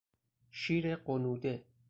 شیر غنوده